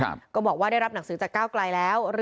ทางคุณชัยธวัดก็บอกว่าการยื่นเรื่องแก้ไขมาตรวจสองเจน